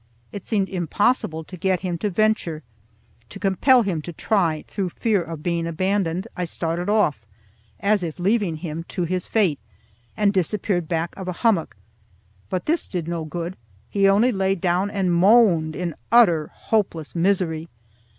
It seemed impossible to get him to venture. To compel him to try through fear of being abandoned, I started off as if leaving him to his fate, and disappeared back of a hummock; but this did no good; he only lay down and moaned in utter hopeless misery.